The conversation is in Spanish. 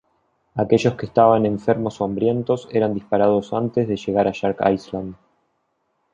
Aquellos que estaban enfermos o hambrientos eran disparados antes de llegar a Shark Island.